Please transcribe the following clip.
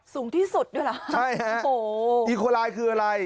สูงที่สุดด้วยหรือโอ้โฮใช่ฮะอีโคลายคืออะไร